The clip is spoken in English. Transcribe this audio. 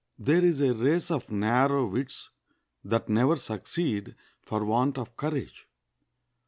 There is a race of narrow wits that never succeed for want of courage.